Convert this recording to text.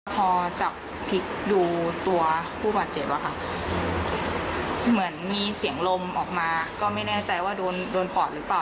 พอจับพลิกดูตัวผู้บาดเจ็บอะค่ะเหมือนมีเสียงลมออกมาก็ไม่แน่ใจว่าโดนโดนปอดหรือเปล่า